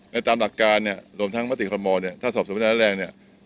ในตามหลักการเนี่ยรวมทั้งเมื่อติดความมอบเนี่ยถ้าสอบส่วนพินัยและแรงเนี่ย